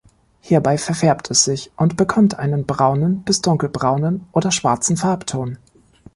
Hierbei verfärbt es sich und bekommt einen braunen, bis dunkelbraunen oder schwarzen Farbton.